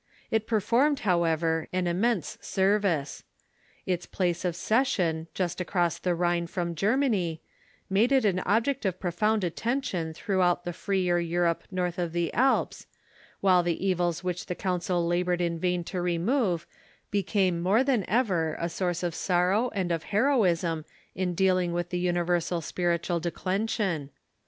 It performed, however, an im mense service. Its place of session, just across the Rhine from Germany, made it an object of profound attention throughout the freer Europe north of the Alps, while the evils which the Council labored in vain to remove became moi*e than ever a source of sorrow and of heroism in dealing with the universal spiritual declension.